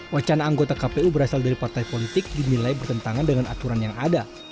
wacana anggota kpu berasal dari partai politik dinilai bertentangan dengan aturan yang ada